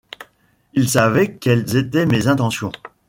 Il savait quelles étaient mes intentions.